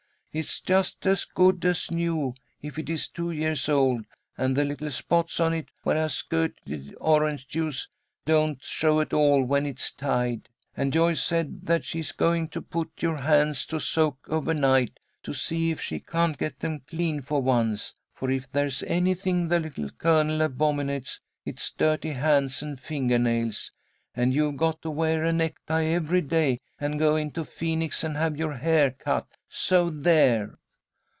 It's just as good as new if it is two years old, and the little spots on it where I squirted orange juice don't show at all when it's tied. And Joyce said that she is going to put your hands to soak overnight, to see if she can't get them clean for once, for if there's anything the Little Colonel abominates, it's dirty hands and finger nails. And you've got to wear a necktie every day, and go into Phoenix and have your hair cut. So there!"